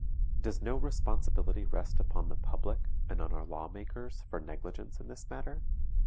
Does no responsibility rest upon the public, and on our law makers, for negligence in this matter?